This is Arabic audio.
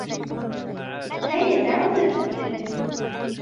هيا. دعونا نذهب إلى البيت.